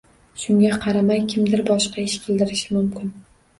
Shunga qaramay, kimdir boshqa ish qidirishi mumkin